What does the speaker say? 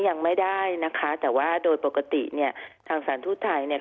ยังไม่ได้นะคะแต่ว่าโดยปกติเนี่ยทางสถานทูตไทยเนี่ย